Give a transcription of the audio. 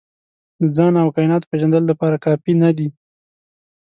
د ځان او کایناتو پېژندلو لپاره کافي نه دي.